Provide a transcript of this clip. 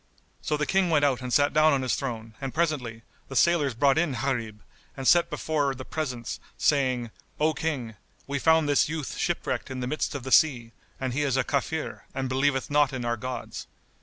So the King went out and sat down on his throne; and presently, the sailors brought in Gharib and set him before the presence, saying, "O King, we found this youth shipwrecked in the midst of the sea, and he is a Kafir and believeth not in our gods."